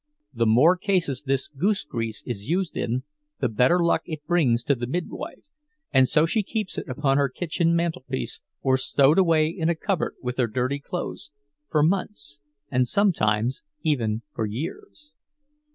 The more cases this goose grease is used in, the better luck it brings to the midwife, and so she keeps it upon her kitchen mantelpiece or stowed away in a cupboard with her dirty clothes, for months, and sometimes even for years.